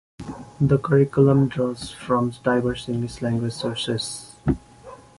The curriculum draws from diverse English language sources.